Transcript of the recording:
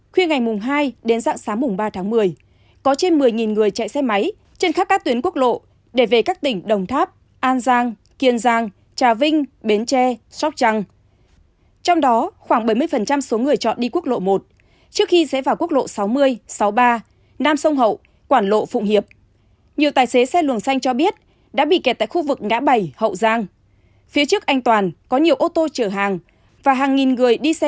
khuya ngày mùng hai đến dạng sáng mùng ba tháng một mươi có trên một mươi người chạy xe máy trên khắp các tuyến quốc lộ để về các tỉnh đồng tháp an giang kiên giang trà vinh bến tre sóc trăng